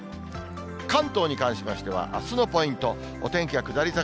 関東に関しましては、あすのポイント、お天気は下り坂。